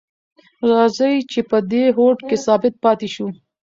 راځئ چې په دې هوډ کې ثابت پاتې شو.